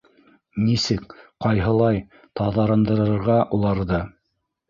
Нисек, ҡайһылай таҙарындырырға уларҙы?